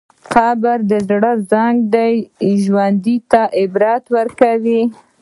قبر د زړه زنګ دی چې ژوند ته عبرت ورکوي.